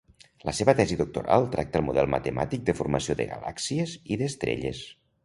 La seva tesi doctoral tracta el model matemàtic de formació de galàxies i d'estrelles.